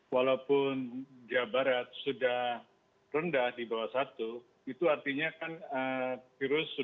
walaupun jawa barat selalu berpengaruh dengan pengaturan sosial yang penting dan yang penting adalah angka reproduksi efektif